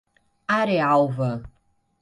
Arealva